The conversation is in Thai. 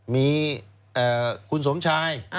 มีคุณสมชาย